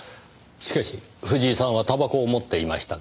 しかし藤井さんは煙草を持っていましたが。